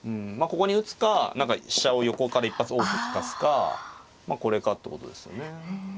ここに打つか何か何か飛車を横から一発王手利かすかまあこれかってことですよね。